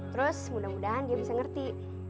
terus mudah mudahan dia bisa ngerti